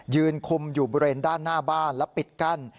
คุมอยู่บริเวณด้านหน้าบ้านและปิดกั้น